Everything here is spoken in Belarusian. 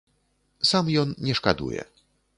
Сам ён не шкадуе.